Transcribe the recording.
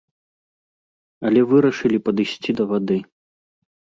Але вырашылі падысці да вады.